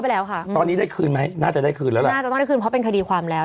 แต่ยึดรถเข้าไปแล้ว